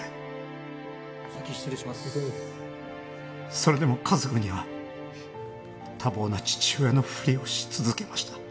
それでも家族には多忙な父親のふりをし続けました。